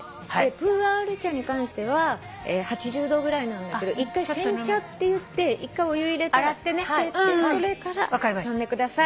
プーアール茶に関しては８０度ぐらいなんだけど１回洗茶っていって１回お湯入れたら捨ててそれから飲んでください。